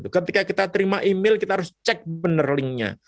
ketika kita terima email kita harus cek bener linknya